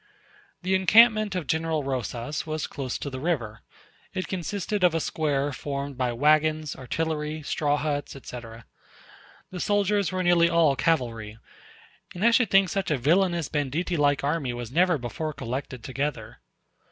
The encampment of General Rosas was close to the river. It consisted of a square formed by waggons, artillery, straw huts, etc. The soldiers were nearly all cavalry; and I should think such a villainous, banditti like army was never before collected together.